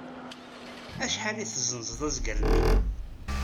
Acḥal i tezzenzeḍ azger-nni?